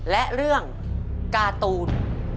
และเรื่องการ์ตูน